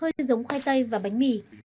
có vị nhạt hơi giống khoai tây và bánh mì